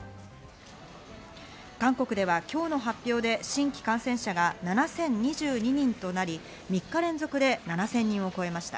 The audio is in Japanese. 韓国では今日の発表で新規感染者が７０２２人となり、３日連続で７０００人を超えました。